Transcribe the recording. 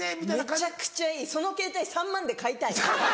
めちゃくちゃいいそのケータイ３万円で買いたい。